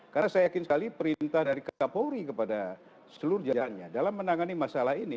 karena saya yakin sekali perintah dari kapolri kepada seluruh jalanannya dalam menangani masalah ini